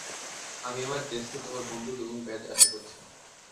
আমি আমার ডেস্কে তোমার বন্দুক এবং ব্যাজ আশা করছি।